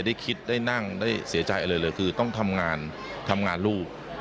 ได้คิดได้นั่งได้เสียใจอะไรเลยคือต้องทำงานทำงานลูก